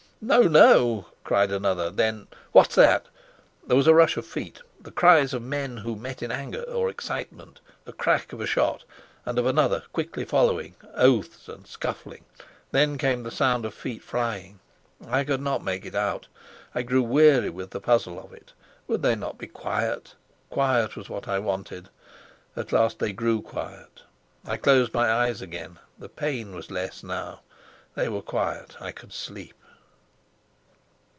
"No, no," cried another. Then, "What's that?" There was a rush of feet, the cries of men who met in anger or excitement, the crack of a shot and of another quickly following, oaths, and scuffling. Then came the sound of feet flying. I could not make it out; I grew weary with the puzzle of it. Would they not be quiet? Quiet was what I wanted. At last they grew quiet; I closed my eyes again. The pain was less now; they were quiet; I could sleep.